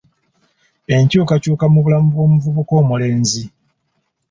Enkyukakyuka mu bulamu bw'omuvubuka omulenzi.